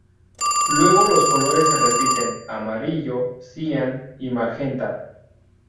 Luego los colores se repiten: amarillo, cian y magenta.